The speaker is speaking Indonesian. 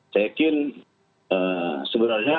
saya yakin eee sebenarnya